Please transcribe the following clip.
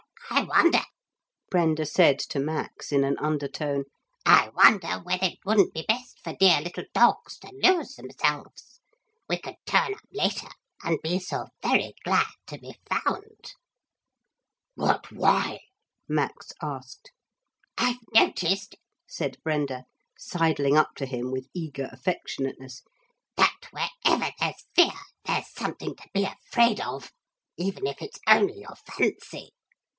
'I wonder,' Brenda said to Max in an undertone, 'I wonder whether it wouldn't be best for dear little dogs to lose themselves? We could turn up later, and be so very glad to be found.' 'But why?' Max asked. 'I've noticed,' said Brenda, sidling up to him with eager affectionateness, 'that wherever there's fear there's something to be afraid of, even if it's only your fancy.